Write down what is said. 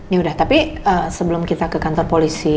yaudah tapi sebelum kita ke kantor polisi